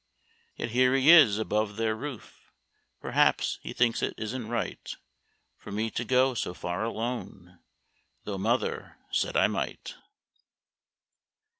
Yet here he is above their roof; Perhaps he thinks it isn't right For me to go so far alone, Tho' mother said I might.